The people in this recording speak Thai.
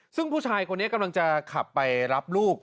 ซึ่งผู้ชายคนนี้กำลังจะขับไปรับลูก